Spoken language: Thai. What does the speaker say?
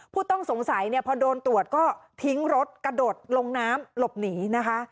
ผู้ต้องสงสัยเนี่ยพอโดนตรวจก็ทิ้งรถกระโดดลงน้ำหลบหนีนะคะ